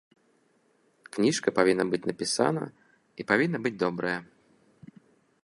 Кніжка павінна быць напісана і павінна быць добрая.